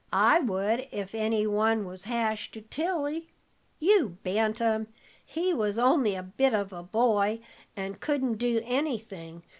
I would, if any one was ha'sh to Tilly." "You bantam! He was only a bit of a boy, and couldn't do anything.